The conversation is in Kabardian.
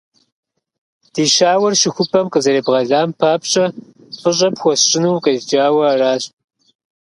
Ди щауэр щыхупӀэм къызэребгъэлам папщӀэ фӀыщӀэ пхуэсщӀыну укъезджауэ аращ.